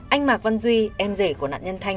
anh mạc văn duy em rể của nạn nhân thanh